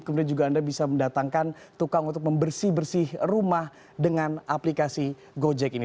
kemudian juga anda bisa mendatangkan tukang untuk membersih bersih rumah dengan aplikasi gojek ini